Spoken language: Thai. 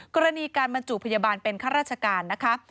กรณีการบรรจุพยาบาลเป็นข้าราชการนะคะ